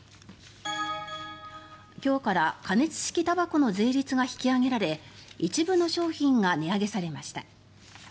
今日から加熱式たばこの税率が引き上げられ一部の商品が値上げされました。